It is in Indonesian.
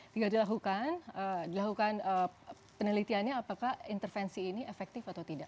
tinggal dilakukan penelitiannya apakah intervensi ini efektif atau tidak